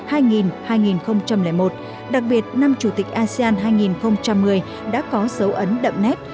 asean hai nghìn hai nghìn một đặc biệt năm chủ tịch asean hai nghìn một mươi đã có dấu ấn đậm nét